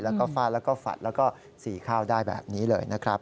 แล้วก็ฟาดแล้วก็ฝัดแล้วก็สีข้าวได้แบบนี้เลยนะครับ